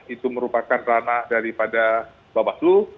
itu merupakan ranah daripada bawaslu